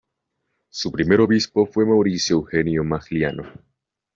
Su primer obispo fue Mauricio Eugenio Magliano.